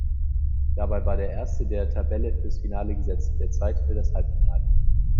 Dabei war der Erste der Tabelle fürs Finale gesetzt, der Zweite für das Halbfinale.